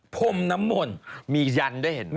พรมน้ำมนต์มียันด้วยเห็นไหม